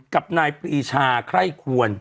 กับนายปรีชาไคร่ควร